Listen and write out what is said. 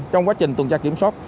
trong quá trình tuần tra kiểm soát